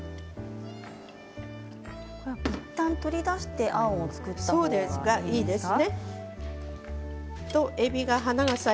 いったん取り出してあんを作ったほうがいいんですね。